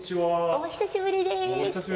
お久しぶりです。